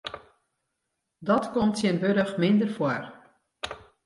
Dat komt tsjintwurdich minder foar.